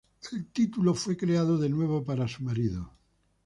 El título fue creado de nuevo para su marido.